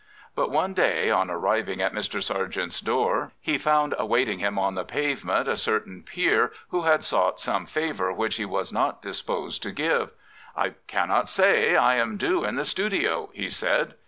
But one day, on arriving at Mr. Sargent's door, he found awaiting him on the pavement a certain peer who had sought some favour which he was not disposed to give, " I cannot stay: I am due in the studio," he said.